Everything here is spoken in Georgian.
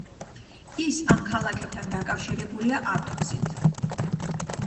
ის ამ ქალაქებთან დაკავშირებულია ავტოგზით.